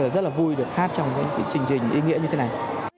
rất là vui được hát trong một trường trình ý nghĩa như thế này